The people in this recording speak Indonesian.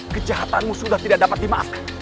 kejahatanmu sudah tidak dapat dimaafkan